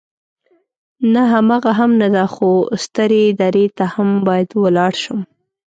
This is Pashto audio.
نه، هماغه هم نه ده، خو سترې درې ته هم باید ولاړ شم.